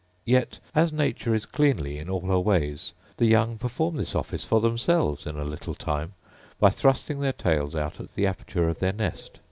Yet, as nature is cleanly in all her ways, the young perform this office for themselves in a little time by thrusting their tails out at the aperture of their nest.